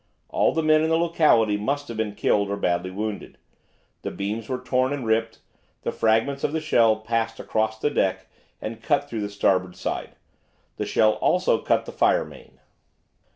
All the men in the locality must have been killed or badly wounded. The beams were torn and ripped. The fragments of the shell passed across the deck and cut through the starboard side. This shell also cut the fire main."